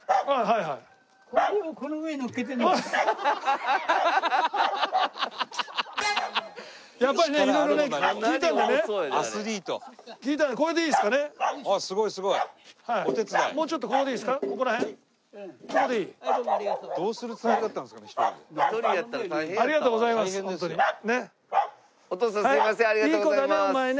いい子だねお前ね。